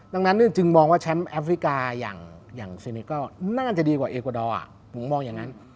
ดังนั้นจึงมองว่าแชมป์แอฟริกาอย่างซินิกก็น่าจะดีกว่าเอกวาดอร์ผมมองอย่างนั้น